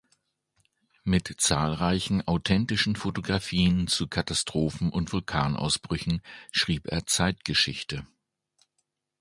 Mit zahlreichen authentischen Fotografien zu Katastrophen und Vulkanausbrüchen schrieb er Zeitgeschichte.